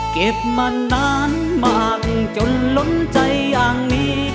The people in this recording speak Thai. เก็บมานานมากจนล้นใจอย่างนี้